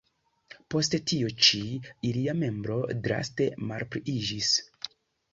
Post tio ĉi, ilia nombro draste malpliiĝis.